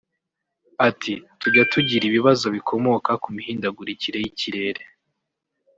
Ati “ Tujya tugira ibibazo bikomoka ku mihindagurikire y’ikirere[